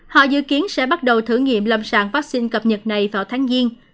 họ dự kiến sẽ bắt đầu thử nghiệm lâm sàng vaccine cập nhật này vào tháng giêng